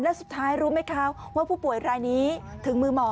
แล้วสุดท้ายรู้ไหมคะว่าผู้ป่วยรายนี้ถึงมือหมอ